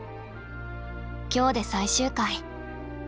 今日で最終回。